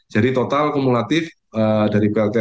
jadi total kumulatif dari pltsa